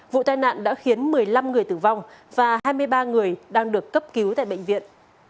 vụ tai nạn đã khiến một mươi năm người tử vong và hai mươi ba người đang được cấp cứu tại bệnh viện